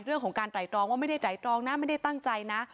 เรื่องของการไตรตรองว่าไม่ได้ไตรตรองนะไม่ได้ตั้งใจนะ